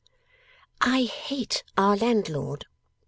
'I hate our landlord!